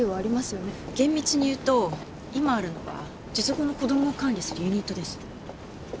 厳密に言うと今あるのは術後の子供を管理するユニットです。